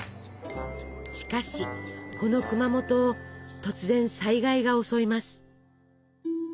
しかしこの熊本を突然災害が襲います。